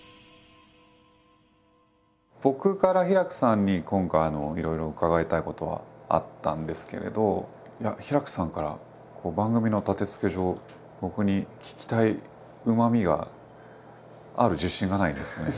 僕からヒラクさんに今回いろいろ伺いたいことはあったんですけれどヒラクさんから番組の立てつけ上僕に聞きたいうまみがある自信がないんですよね。